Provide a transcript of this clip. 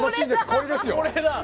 これですよ。